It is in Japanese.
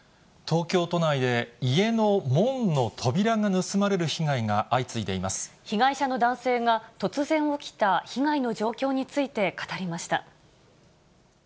東京都内で家の門の扉が盗ま被害者の男性が突然起きた被害の状況について語りました。